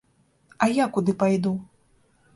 А я куды пайду?